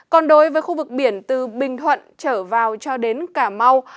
còn đối với khu vực biển từ bình thuận trở vào cho đến cà mau